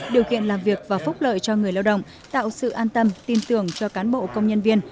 điều kiện làm việc và phúc lợi cho người lao động tạo sự an tâm tin tưởng cho cán bộ công nhân viên